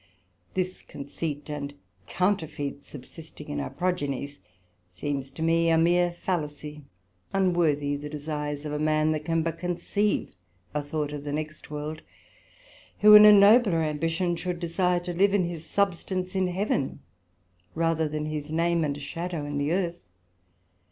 This conceit and counterfeit subsisting in our progenies, seems to me a meer fallacy, unworthy the desires of a man, that can but conceive a thought of the next World; who, in a nobler ambition, should desire to live in his substance in Heaven, rather than his name and shadow in the earth.